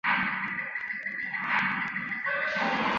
詹姆斯镇附近有詹姆斯河。